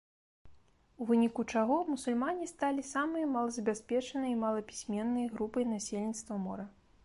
У выніку чаго мусульмане сталі самай малазабяспечанай і малапісьменнай групай насельніцтва мора.